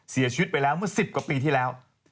เสียชีวิตไปแล้วเมื่อ๑๐กว่าปีที่แล้ว